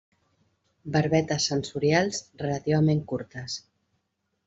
Barbetes sensorials relativament curtes.